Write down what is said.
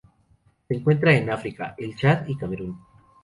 Se encuentran en África: el Chad y el Camerún.